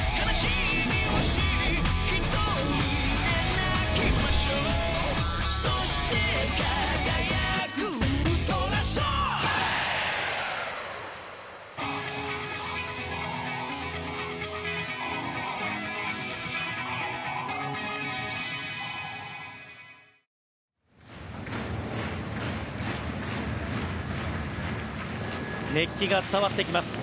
大期待して熱気が伝わってきます。